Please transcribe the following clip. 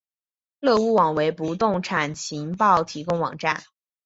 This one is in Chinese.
乐屋网为不动产情报提供网站。